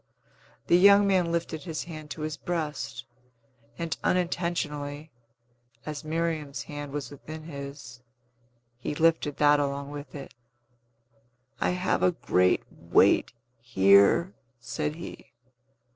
The young man lifted his hand to his breast, and, unintentionally, as Miriam's hand was within his, he lifted that along with it. "I have a great weight here!" said he.